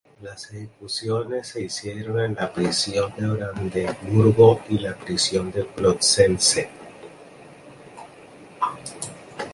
Las ejecuciones se hicieron en la prisión de Brandeburgo y la prisión de Plötzensee.